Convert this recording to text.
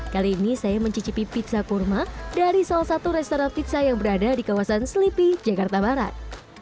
kali ini saya mencicipi pizza kurma dari salah satu restoran pizza yang berada di kawasan selipi jakarta barat